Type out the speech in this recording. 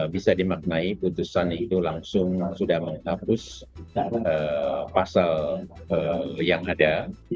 bisa dimaknai putusan itu langsung sudah menghapus pasal yang ada